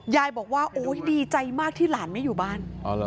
ยายบอกว่าโอ๊ยดีใจมากที่หลานไม่อยู่บ้าน